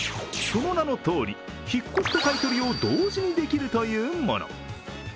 その名のとおり、引っ越しと買い取りを同時にできるというもの。